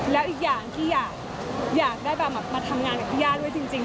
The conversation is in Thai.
แล้วอีกอย่างที่อยากได้แบบมาทำงานกับพี่ย่าด้วยจริง